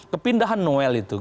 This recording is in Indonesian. kepindahan noel itu